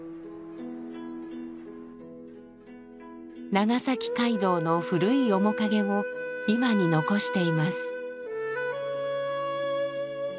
長崎街道の古い面影を今に残しています。